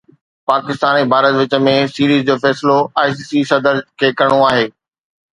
پاڪستان ۽ ڀارت وچ ۾ سيريز جو فيصلو آءِ سي سي صدر کي ڪرڻو آهي